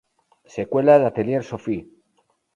Secuela de "Atelier Sophie".